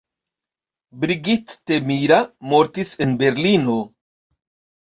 Brigitte Mira mortis en Berlino.